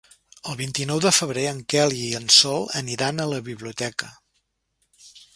El vint-i-nou de febrer en Quel i en Sol aniran a la biblioteca.